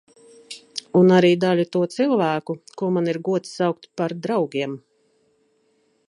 Un arī daļa to cilvēku, ko man ir gods saukt par draugiem.